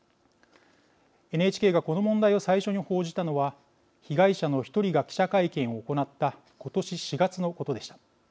ＮＨＫがこの問題を最初に報じたのは被害者の１人が記者会見を行った今年４月のことでした。